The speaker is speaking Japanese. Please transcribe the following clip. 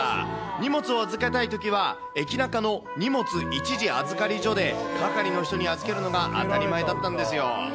荷物を預けたいときは、エキナカの荷物一時預り所で、係の人に預けるのが当たり前だったんですよ。